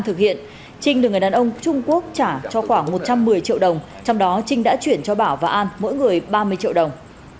thực hiện trinh được người đàn ông trung quốc trả cho khoảng một trăm một mươi triệu đồng trong đó trinh đã chuyển cho bảo và an mỗi người ba mươi triệu đồng